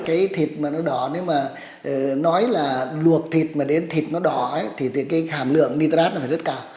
cái thịt mà nó đỏ nếu mà nói là luộc thịt mà đến thịt nó đỏ thì cái hàm lượng nitrate nó phải rất cao